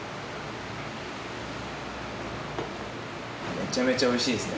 めちゃめちゃ美味しいですね。